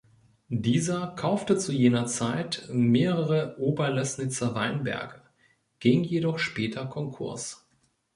Dieser kaufte zu jener Zeit mehrere Oberlößnitzer Weinberge, ging jedoch später Konkurs.